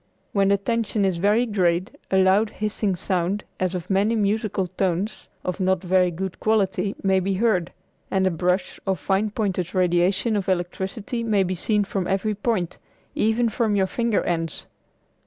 When the tension is very great a loud hissing sound as of many musical tones of not very good quality may be heard, and a brush or fine pointed radiation of electricity may be seen from every point, even from your finger ends.